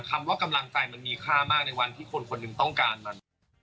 คำว่ากำลังใจมันมีค่ามากในวันที่คนคนหนึ่งต้องการมัน